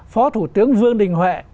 phó thủ tướng vương đình huệ